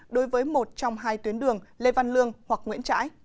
đối với một trong hai tuyến đường lê văn lương hoặc nguyễn trãi